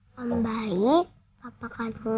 pembaik apakah itu rena